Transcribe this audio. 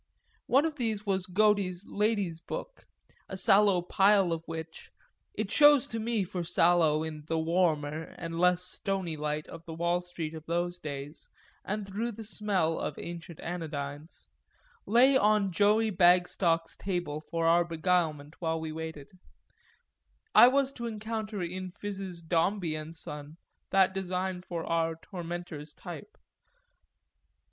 One of these was Godey's Lady's Book, a sallow pile of which (it shows to me for sallow in the warmer and less stony light of the Wall Street of those days and through the smell of ancient anodynes) lay on Joey Bagstock's table for our beguilement while we waited: I was to encounter in Phiz's Dombey and Son that design for our tormentor's type.